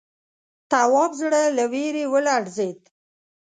تواب زړه له وېرې ولړزېد.